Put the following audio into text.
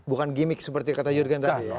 bukan gimmick seperti kata yur gen tadi ya